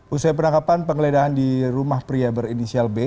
usai penangkapan penggeledahan di rumah pria berinisial b